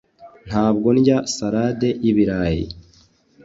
ntabwo ndya salade y'ibirayi